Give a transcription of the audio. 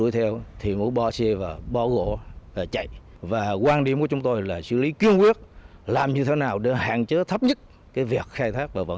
từ đầu năm đến nay